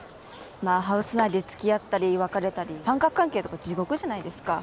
まあハウス内でつきあったり別れたり三角関係とか地獄じゃないですか